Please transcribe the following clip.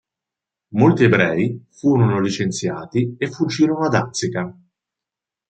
Molti ebrei furono licenziati e fuggirono a Danzica.